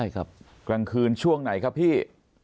กลางคืนช่วงไหนครับพี่